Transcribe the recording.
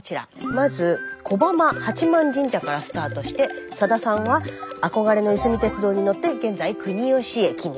まず小浜八幡神社からスタートしてさださんは憧れのいすみ鉄道に乗って現在国吉駅に。